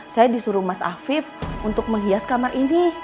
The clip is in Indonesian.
saya disuruh mas afif untuk menghias kamar ini